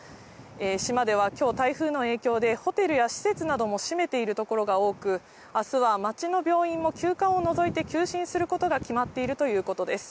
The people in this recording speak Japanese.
島ではきょう台風の影響でホテルや施設なども閉めているところが多く、あすは町の病院も急患を除いて休診することが決まっているということです。